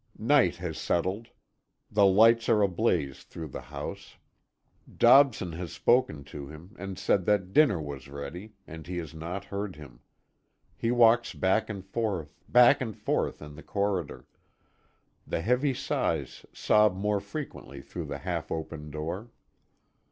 Night has settled. The lights are ablaze through the house. Dobson has spoken to him, and said that dinner was ready, and he has not heard him. He walks back and forth, back and forth, in the corridor. The heavy sighs sob more frequently through the half open door.